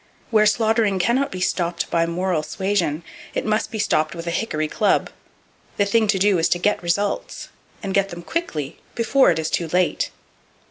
Where slaughtering cannot be stopped by moral suasion, it must be stopped with a hickory club. The thing to do is to get results, and get them quickly, before it is too late!